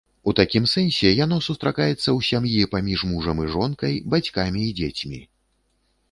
У такім сэнсе яно сустракаецца ў сям'і паміж мужам і жонкай, бацькамі і дзецьмі.